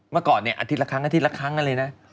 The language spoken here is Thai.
เมื่อก่อนเนี่ยอาทิตย์ละครั้งอาทิตย์ละครั้งกันเลยนะ